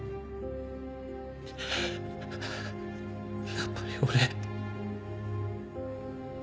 やっぱり俺